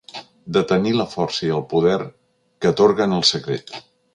Detenir la força i el poder que atorguen el secret.